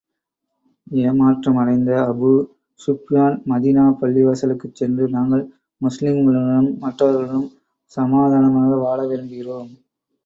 ஏமாற்றம் அடைந்த Abu Sufyan Medina பள்ளி வாசலுக்குச் சென்று, நாங்கள் முஸ்லிம்களுடனும் மற்றவர்களுடனும் சமாதானமாக வாழ விரும்புகிறோம்.